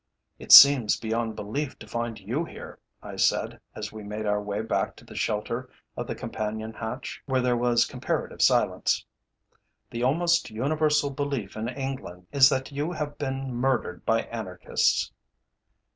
"It seems beyond belief to find you here," I said, as we made our way back to the shelter of the companion hatch, where there was comparative silence. "The almost universal belief in England is that you have been murdered by Anarchists."